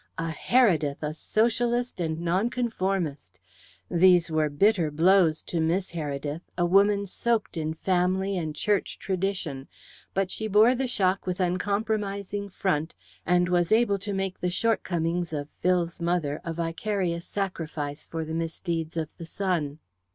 A Heredith a socialist and nonconformist! These were bitter blows to Miss Heredith, a woman soaked in family and Church tradition, but she bore the shock with uncompromising front, and was able to make the shortcomings of Phil's mother a vicarious sacrifice for the misdeeds of the son.